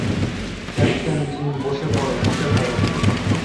Captain, Jin, বসে পড়ো, বসে পড়ো।